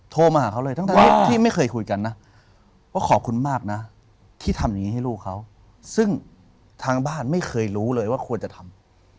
โทรมาหาเขาเลยทั้งที่ไม่เคยคุยกันนะว่าขอบคุณมากนะที่ทำอย่างนี้ให้ลูกเขาซึ่งทางบ้านไม่เคยรู้เลยว่าควรจะทำ